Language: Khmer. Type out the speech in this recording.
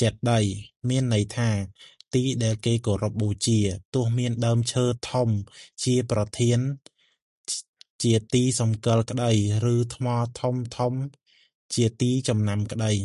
ចេតិយ មានន័យថា ទីដែលគេគោរពបូជា ទោះមានដើមឈើធំជាប្រធានជាទីសម្គាល់ក្តី ឬ ថ្មធំៗជាទីចំណាំក្តី។